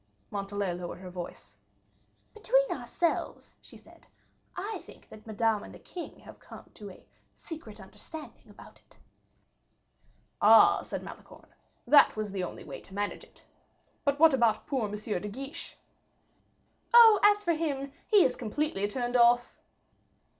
Montalais lowered her voice. "Between ourselves," she said, "I think that Madame and the king have come to a secret understanding about it." "Ah!" said Malicorne; "that was the only way to manage it. But what about poor M. de Guiche?" "Oh, as for him, he is completely turned off."